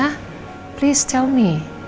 tolong beritahu aku